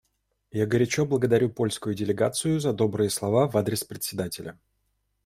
Я горячо благодарю польскую делегацию за добрые слова в адрес Председателя.